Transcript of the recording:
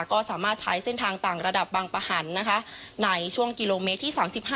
ก็สามารถใช้เส้นทางต่างระดับบางปะหันในช่วงกิโลเมตรที่๓๕